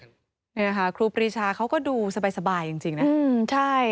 เนี่ยค่ะครูปรีชาเขาก็ดูสบายสบายจริงจริงน่ะอืมใช่